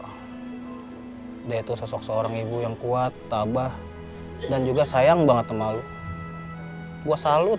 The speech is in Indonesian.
hai dia itu sosok seorang ibu yang kuat tabah dan juga sayang banget sama lu gua salut